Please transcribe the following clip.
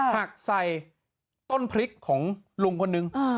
หักใส่ต้นพริกของลุงคนนึง